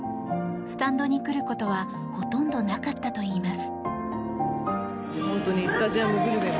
スタンドに来ることはほとんどなかったといいます。